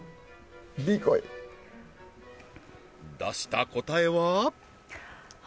出した答えは？